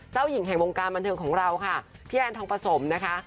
เจ้าหญิงแห่งวงการบันเทิงของเราค่ะพี่แอนทองประสมนะคะ